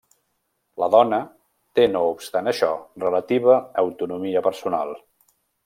La dona té no obstant això relativa autonomia personal.